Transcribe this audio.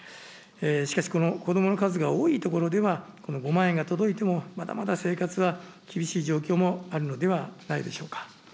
しかしこの子どもの数が多いところでは、この５万円が届いても、まだまだ生活は厳しい状況もあるのではないでしょうか。